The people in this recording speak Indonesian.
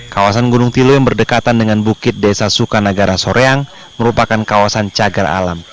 kawasan gunung tilu yang berdekatan dengan bukit desa sukanagara soreang merupakan kawasan cagar alam